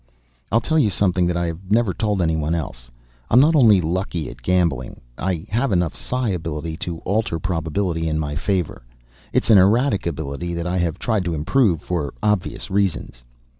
"I'll tell you something that I have never told anyone else. I'm not only lucky at gambling. I have enough psi ability to alter probability in my favor. It's an erratic ability that I have tried to improve for obvious reasons.